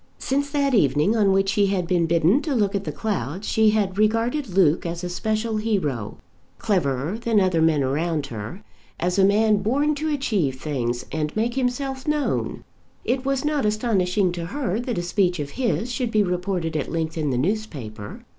Since that evening on which she had been bidden to look at the clouds she had regarded Luke as a special hero, cleverer than other men around her, as a man born to achieve things and make himself known. It was not astonishing to her that a speech of his should be reported at length in the newspaper.